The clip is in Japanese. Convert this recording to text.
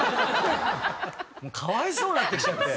かわいそうになってきちゃって。